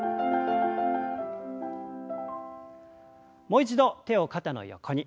もう一度手を肩の横に。